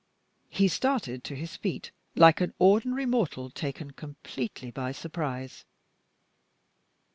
He started to his feet, like an ordinary mortal taken completely by surprise.